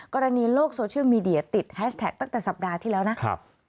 กรณีโลกโซเชียลมีเดียติดแฮชแท็กตั้งแต่สัปดาห์ที่แล้วนะครับ